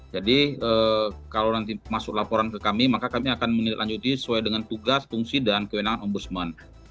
jadi kalau nanti masuk laporan ke kami maka kami akan menikmati sesuai dengan tugas fungsi dan kewenangan ombudsman